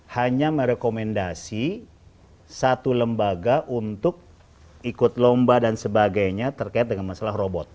hanya merekomendasi satu lembaga untuk ikut lomba dan sebagainya terkait dengan masalah robot